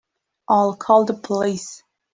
I'll call the police.